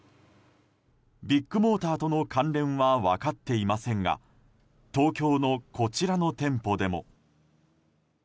ビッグモーターとの関連は分かっていませんが東京のこちらの店舗でも。